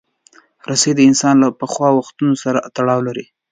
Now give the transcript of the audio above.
رسۍ د انسان له پخوا وختونو سره تړاو لري.